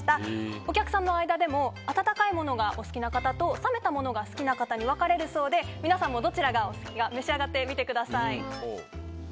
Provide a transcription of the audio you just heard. お客さんの間でも温かいものがお好きな方と冷めたものが好きな方に分かれるそうで皆さんもどちらがお好きか召し上がってみてください。